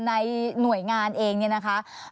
ในหน่วยงานเองเนี่ยนะคะ